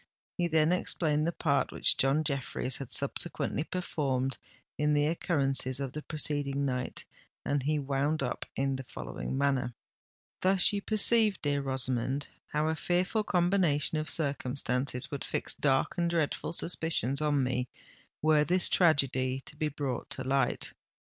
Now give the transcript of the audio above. He then explained the part which John Jeffreys had subsequently performed in the occurrences of the preceding night; and he wound up in the following manner:—— "Thus you perceive, dear Rosamond, how a fearful combination of circumstances would fix dark and dreadful suspicions on me, were this tragedy to be brought to light.